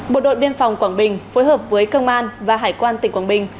bộ đội biên phòng quảng bình phối hợp với công an và hải quan tỉnh quảng bình